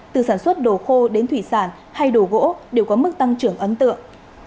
từ sản xuất đồ khô đến thủy sản hay đồ gỗ đều có mức tăng trưởng ấn tượng